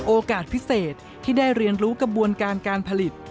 โอกาสพิเศษที่ได้เรียนรู้กระบวนการการผลิต